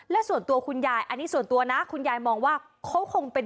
ถ้าจับมือไม่เคยเห็นนะเคยจะแกะแกะกัน